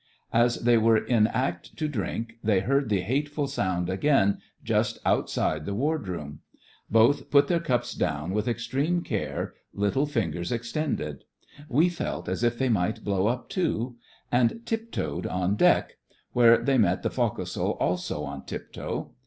As they were in act to drink, they heard the hateful sound again just outside the wardroom. Both put their cups down with extreme care, little fingers extended ("We felt as if they might blow up, too"), and tip toed on deck, where they met the foc'sle also on tip toe.